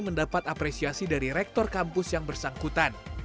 mendapat apresiasi dari rektor kampus yang bersangkutan